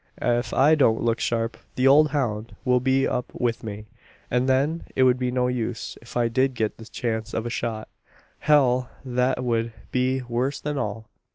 If I don't look sharp, the old hound will be up with me; and then it would be no use if I did get the chance of a shot. Hell! that would be worse than all!"